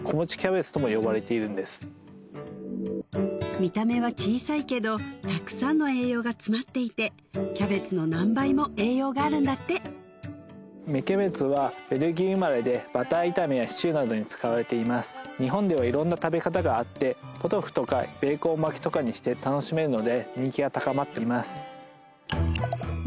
見た目は小さいけどたくさんの栄養が詰まっていてキャベツの何倍も栄養があるんだってポトフとかベーコン巻きとかにして楽しめるので人気が高まっています芽